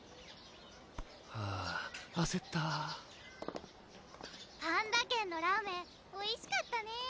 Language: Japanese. はぁあせったぱんだ軒のラーメンおいしかったね！